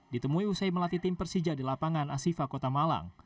ditemui usai melatih tim persija di lapangan asifa kota malang